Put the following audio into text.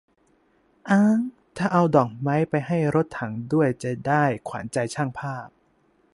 อ๊าง ถ้าเอาดอกไม้ไปให้รถถังด้วย จะได้ 'ขวัญใจช่างภาพ'